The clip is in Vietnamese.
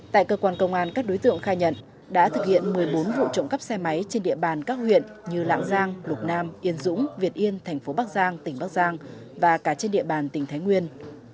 tại cơ quan công an các đối tượng khai nhận đã thực hiện một mươi bốn vụ trộm cắp xe máy trên địa bàn các huyện như lạng giang lục nam yên dũng việt yên thành phố bắc giang tỉnh bắc giang và cả trên địa bàn tỉnh thái nguyên